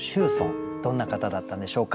どんな方だったんでしょうか。